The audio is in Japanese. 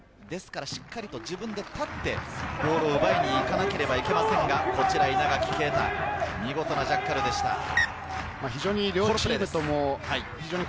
ですからしっかりと自分で立って、ボールを奪いにいかなければいけませんが、こちら稲垣啓太、見事なジャッカルでした。